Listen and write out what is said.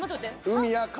海や川。